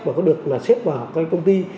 và có được xếp vào công ty